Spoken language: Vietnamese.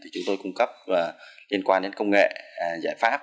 chúng tôi cung cấp liên quan đến công nghệ giải pháp